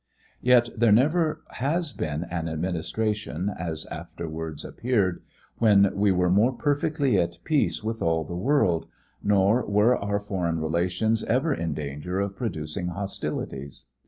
Yet there never has been an administration, as afterwards appeared, when we were more perfectly at peace with all the world, nor were our foreign relations ever in danger of producing hostilities.